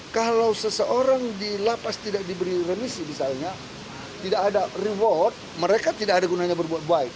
kalau seseorang di lapas tidak diberi remisi misalnya tidak ada reward mereka tidak ada gunanya berbuat baik